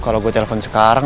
kalau gua telepon sekarang